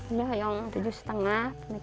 ini yang tujuh setengah